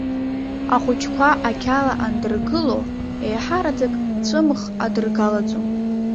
Ахәыҷқәа ақьала андыргыло, еиҳараӡак ҵәымӷ адыргалаӡом.